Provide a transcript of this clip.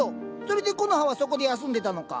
それでコノハはそこで休んでたのか。